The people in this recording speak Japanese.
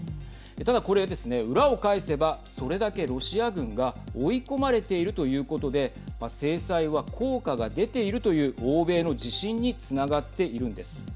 ただこれですね、裏を返せばそれだけロシア軍が追い込まれているということで制裁は効果が出ているという欧米の自信につながっているんです。